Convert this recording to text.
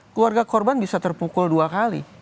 keluarga korban bisa terpukul dua kali